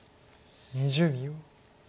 ２０秒。